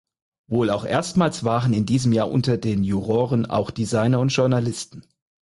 Wohl auch erstmals waren in diesem Jahr unter den Juroren auch Designer und Journalisten.